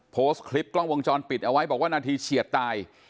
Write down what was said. โพสต์คลิปกล้องวงจรปิดเอาไว้บอกว่านาทีเฉียดตาย